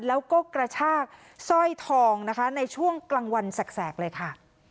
แล้วก็กระชากสร้อยทองนะคะในช่วงกลางวันแสกเลยค่ะ